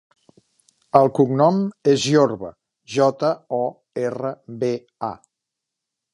El cognom és Jorba: jota, o, erra, be, a.